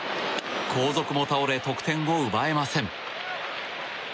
後続も倒れ、得点を奪えません。